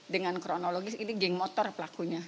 dengan kronologis ini geng motor pelakunya